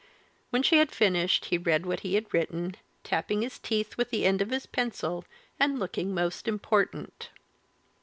When she had finished he read what he had written, tapping his teeth with the end of his pencil and looking most important.